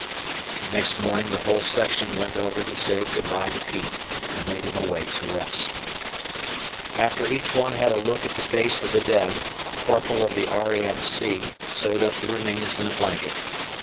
Next morning the whole section went over to say good bye to Pete, and laid him away to rest. After each one had a look at the face of the dead, a Corporal of the R. A. M. C. sewed up the remains in a blanket.